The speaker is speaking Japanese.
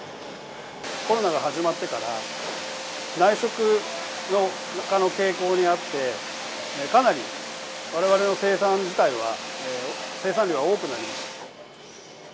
コロナが始まってから、内食化の傾向にあって、かなりわれわれの生産自体は、生産量が多くなりました。